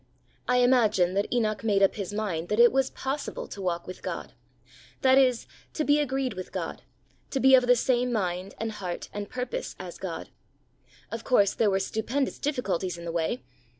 I imagine that Enoch made up his mind that it was possible to walk with God ; that is, to be agreed with God, to be of the same mind and heart and purpose as God. Of course, there were stupendous difficulties in the way.